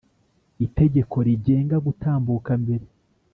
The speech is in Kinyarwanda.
itegeko rigenga gutambuka mbere